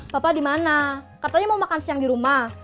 papa dimana katanya mau makan siang di rumah